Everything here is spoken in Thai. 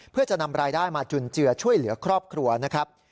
เพื่อจะนำรายได้มาจุนเจือช่วยเหลือครอบครัวนะครับ